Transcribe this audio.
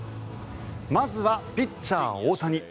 まずはピッチャー・大谷。